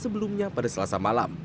sebelumnya pada selasa malam